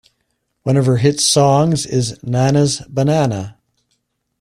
One of her hit songs is Nanas Banana.